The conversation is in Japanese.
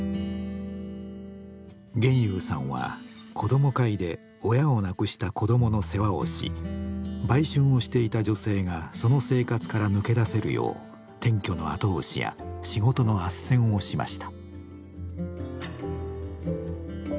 現祐さんは子ども会で親を亡くした子どもの世話をし売春をしていた女性がその生活から抜け出せるよう転居の後押しや仕事のあっせんをしました。